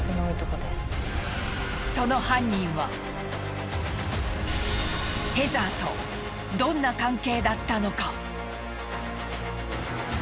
その犯人はヘザーとどんな関係だったのか。